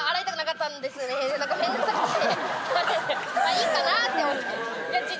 いいかなって思って。